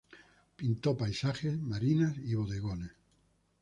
Pintó paisajes, marinas y bodegones.